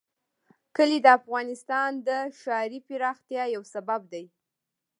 کلي د افغانستان د ښاري پراختیا یو سبب دی.